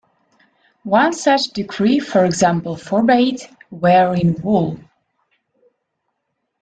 One such decree, for example, forbade wearing wool.